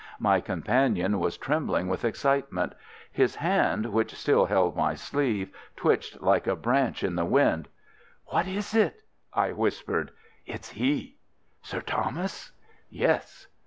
My companion was trembling with excitement. His hand which still held my sleeve twitched like a branch in the wind. "What is it?" I whispered. "It's he!" "Sir Thomas?" "Yes."